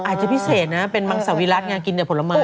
อาจจะพิเศษนะเป็นบังสะวิรัติงานกินเดือดผลไม้